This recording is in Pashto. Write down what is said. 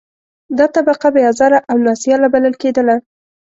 دا طبقه بې آزاره او نا سیاله بلل کېدله.